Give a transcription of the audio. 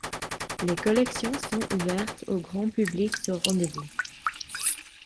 Les collections sont ouvertes au grand public sur rendez-vous.